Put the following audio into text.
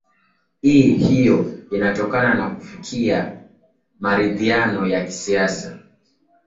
i hiyo inatokana na kufikia maridhiano ya kisiasa